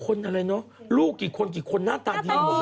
คนอะไรเนาะลูกกี่คนน่าตายดีมั่วเนี่ย